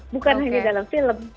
bukan hanya dalam film